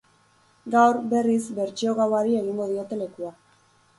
Gaur, berriz, bertsio gauari egingo diote lekua.